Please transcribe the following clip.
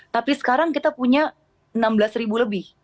tapi sekarang kita punya enam belas ribu lebih